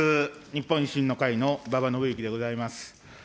日本維新の会の馬場伸幸でございます。